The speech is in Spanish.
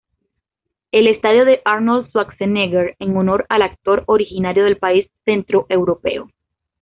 El estadio es llamado Arnold Schwarzenegger, en honor al actor originario del país centroeuropeo.